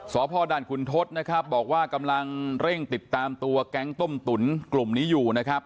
สพด่านขุนทศนะครับบอกว่ากำลังเร่งติดตามตัวแก๊งต้มตุ๋นกลุ่มนี้อยู่นะครับ